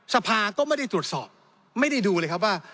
สภาก็ไม่ได้ตรวจสอบไม่ได้ดูเลยครับว่า